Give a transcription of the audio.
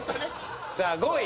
さあ５位。